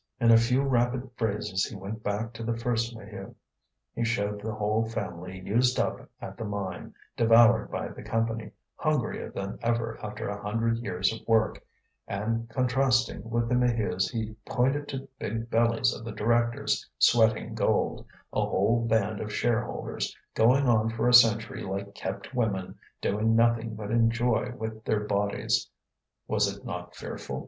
In a few rapid phrases he went back to the first Maheu. He showed the whole family used up at the mine, devoured by the Company, hungrier than ever after a hundred years of work; and contrasting with the Maheus he pointed to the big bellies of the directors sweating gold, a whole band of shareholders, going on for a century like kept women, doing nothing but enjoy with their bodies. Was it not fearful?